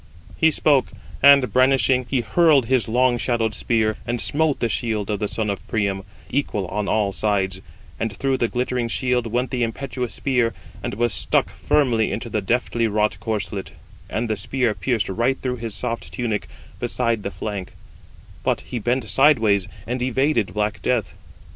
He spoke; and brandishing, he hurled his long shadowed spear, and smote the shield of the son of Priam, equal on all sides; and through the glittering shield went the impetuous spear, and was stuck firmly into the deftly wrought corslet: and the spear pierced right through his soft tunic beside the flank: but he bent sideways, and evaded black death.